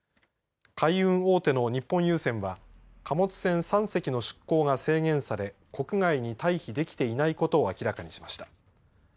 海運大手の日本郵船は貨物船３隻の出港が制限され国外に待避できていないことを明らかにしました。